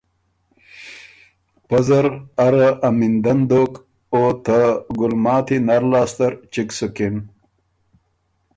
پۀ زر اره امیندن دوک او ته ګُلماتی نر لاسته ر چِګ سُکِن۔